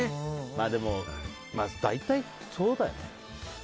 でも、大体そうだよね。